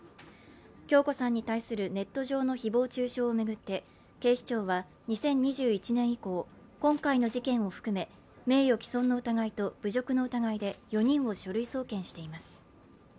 響子さんに対するネット上の誹謗中傷を巡って警視庁は２０２１年以降、今回の事件を含め名誉毀損の疑いで侮辱の疑いで４人を書類送検しています。